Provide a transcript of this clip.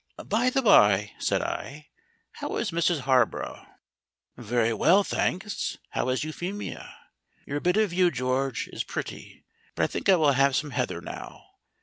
"By the bye," said I, "how is Mrs Harborough?" "Very well, thanks. How is Euphemia? Your bit of view, George, is pretty, but I think I will have some heather now.